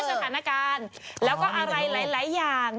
หรือบอกว่าสถานการณ์แล้วก็อะไรหลายอย่าง